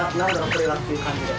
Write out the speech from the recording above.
これはっていう感じで。